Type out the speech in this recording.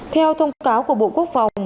theo thông cáo của bộ quốc phòng